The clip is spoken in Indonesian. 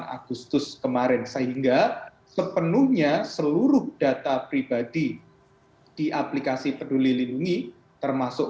agustus kemarin sehingga sepenuhnya seluruh data pribadi di aplikasi peduli lindungi termasuk